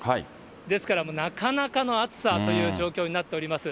ですから、なかなかの暑さという状況になっております。